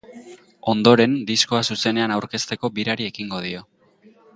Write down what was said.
Ondoren, diskoa zuzenean aurkezteko birari ekingo dio.